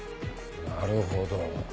なるほど。